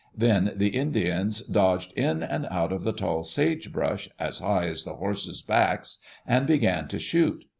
Then the Indians dodged in and out of the tall sagebrush, as high as the horses' backs, and began to shoot.